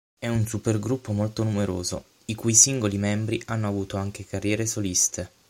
È un supergruppo molto numeroso, i cui singoli membri hanno avuto anche carriere soliste.